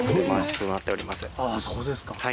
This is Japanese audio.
そうですか。